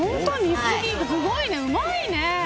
すごいね、うまいね。